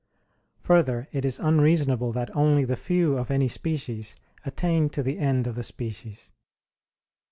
Further, it is unreasonable that only the few of any species attain to the end of the species.